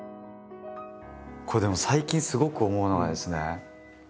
これでも最近すごく思うのがですね